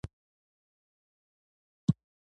د خپلو مهارتونو پر توصیف کې راغلی و.